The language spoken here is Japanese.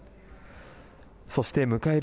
そして、迎える